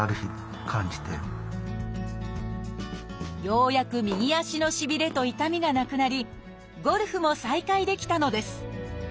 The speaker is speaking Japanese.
ようやく右足のしびれと痛みがなくなりゴルフも再開できたのです。